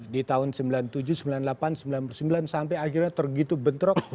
di tahun sembilan puluh tujuh sembilan puluh delapan sembilan puluh sembilan sampai akhirnya tergitu bentrok